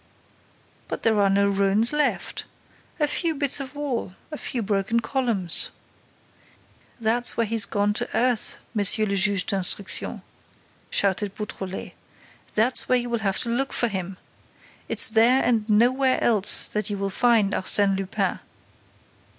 "But there are no ruins left!—A few bits of wall!—A few broken columns!" "That's where he's gone to earth. Monsieur le Juge d'Instruction!" shouted Beautrelet. "That's where you will have to look for him! It's there and nowhere else that you will find Arsène Lupin!"